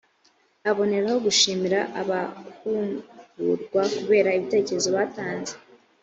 aboneraho gushimira abahugurwa kubera ibitekerezo batanze